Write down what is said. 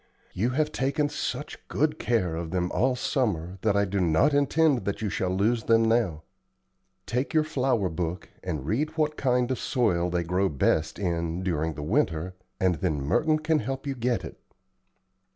You have taken such good care of them all summer that I do not intend that you shall lose them now. Take your flower book and read what kind of soil they grow best in during the winter, and then Merton can help you get it."